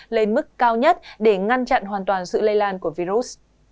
lên mức cao nhất để ngăn chặn hoàn toàn sự lây lan của virus